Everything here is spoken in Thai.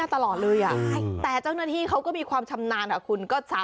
ทองมันป่องป่องด้วยมันอ่ะ